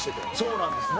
そうなんですね。